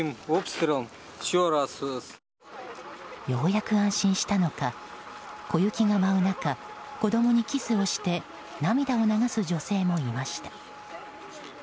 ようやく安心したのか小雪が舞う中子供にキスをして涙を流す女性もいました。